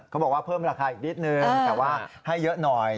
บอกว่าเพิ่มราคาอีกนิดนึงแต่ว่าให้เยอะหน่อย